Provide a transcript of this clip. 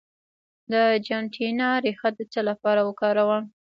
د جنتیانا ریښه د څه لپاره وکاروم؟